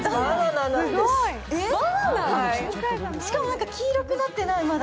しかも黄色くなってない、